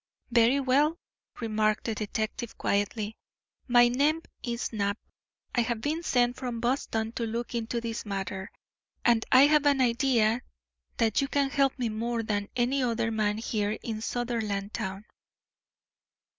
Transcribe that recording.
"Very well," remarked the detective, quietly, "my name is Knapp. I have been sent from Boston to look into this matter, and I have an idea that you can help me more than any other man here in Sutherlandtown.